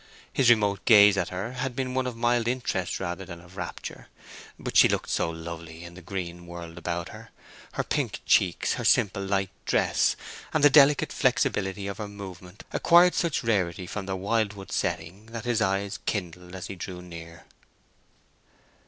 His remote gaze at her had been one of mild interest rather than of rapture. But she looked so lovely in the green world about her, her pink cheeks, her simple light dress, and the delicate flexibility of her movement acquired such rarity from their wild wood setting, that his eyes kindled as he drew near.